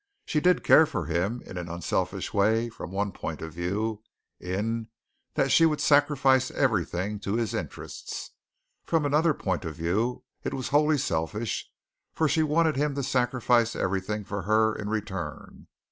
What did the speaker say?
She did care for him in an unselfish way from one point of view, in that she would sacrifice everything to his interests. From another point of view it was wholly selfish, for she wanted him to sacrifice everything for her in return.